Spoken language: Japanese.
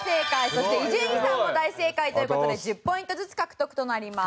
そして伊集院さんも大正解という事で１０ポイントずつ獲得となります。